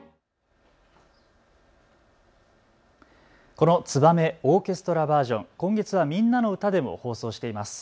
このツバメオーケストラバージョン、今月はみんなのうたでも放送しています。